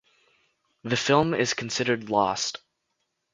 The film is considered lost.